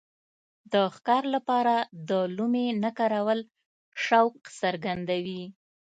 د ښکار لپاره د لومې نه کارول شوق څرګندوي.